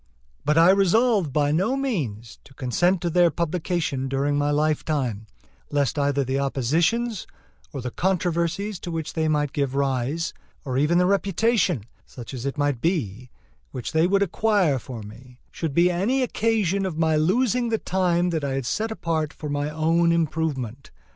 But I resolved by no means to consent to their publication during my lifetime, lest either the oppositions or the controversies to which they might give rise, or even the reputation, such as it might be, which they would acquire for me, should be any occasion of my losing the time that I had set apart for my own improvement.